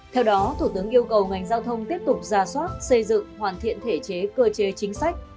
theo đó thủ tướng yêu cầu ngành giao thông tiếp tục ra soát xây dựng hoàn thiện thể chế cơ chế chính sách